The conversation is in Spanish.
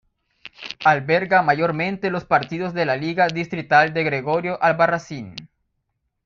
Alberga mayormente los partidos de la Liga Distrital de Gregorio Albarracín.